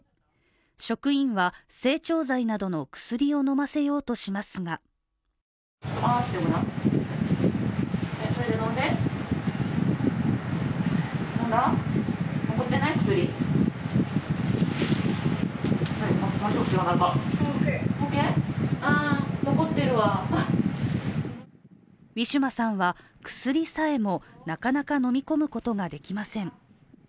職員は整腸剤などの薬を飲ませようとしますがウィシュマさんは薬さえもなかなか飲み込むことができません。